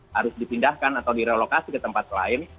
harus dipindahkan atau direlokasi ke tempat lain